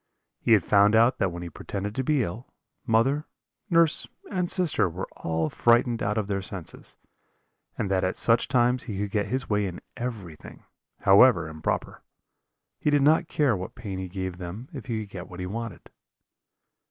He had found out that when he pretended to be ill, mother, nurse, and sister were all frightened out of their senses, and that at such times he could get his way in everything, however improper. He did not care what pain he gave them if he could get what he wanted.